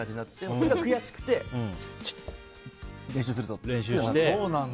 それが悔しくて練習するぞってなって。